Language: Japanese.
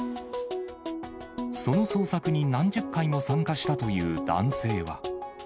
その捜索に何十回も参加したという男性は。